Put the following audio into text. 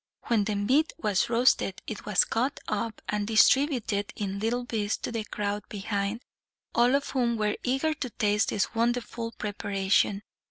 When the meat was roasted, it was cut up and distributed in little bits to the crowd behind, all of whom were eager to taste this wonderful preparation.